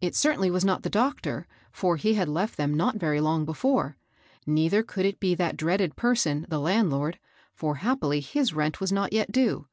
It certainly was not the doctor, for he had left them not very long before ; neither could it be that dreaded person, the landlord, for happily his rent was not yet due.